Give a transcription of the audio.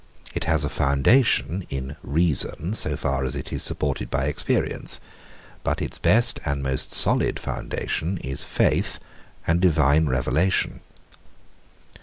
It has a foundation in reason, so far as it is supported by experience. But its best and most solid foundation is faith and divine revelation.